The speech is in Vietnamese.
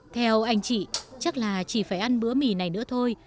theo anh chị chắc là chỉ phải ăn bữa mì này nữa thôi